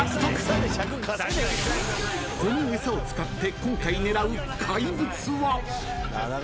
［この餌を使って今回狙う怪物は？］